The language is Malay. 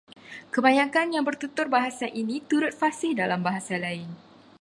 Kebanyakan yang bertutur bahasa ini turut fasih dalam bahasa lain